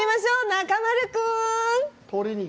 中丸君に。